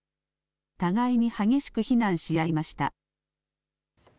互いに激しく非難し合いました。